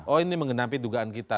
oh ini mengenapi dugaan kita